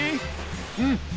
うん。